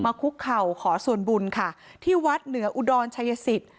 คุกเข่าขอส่วนบุญค่ะที่วัดเหนืออุดรชัยสิทธิ